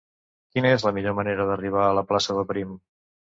Quina és la millor manera d'arribar a la plaça de Prim?